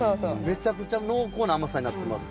めちゃくちゃ濃厚な甘さになってます。